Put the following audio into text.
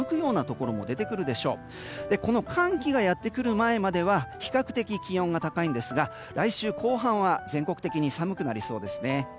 この寒気がやってくる前までは比較的気温が高いんですが来週後半は全国的に寒くなりそうです。